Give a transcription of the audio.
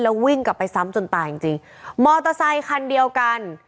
วิ่งกลับไปซ้ำจนตายจริงจริงมอเตอร์ไซคันเดียวกัน